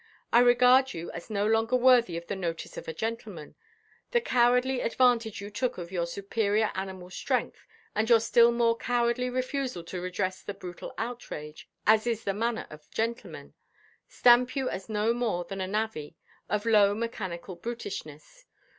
I regard you as no longer worthy of the notice of a gentleman. The cowardly advantage you took of your superior animal strength, and your still more cowardly refusal to redress the brutal outrage, as is the manner of gentlemen, stamp you as no more than a navvy, of low mechanical brutishness.